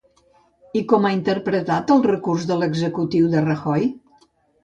I com ha interpretat el recurs de l'executiu de Rajoy?